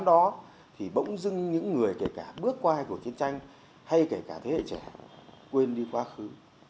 đó thì bỗng dưng những người kể cả bước qua cuộc chiến tranh hay kể cả thế hệ trẻ quên đi quá khứ